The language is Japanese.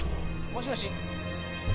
もしもーし。